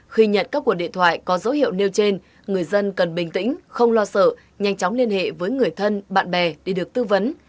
khi nhận các cuộc điện thoại có dấu hiệu nêu trên người dân cần bình tĩnh không lo sợ nhanh chóng liên hệ với người thân bạn bè để được tư vấn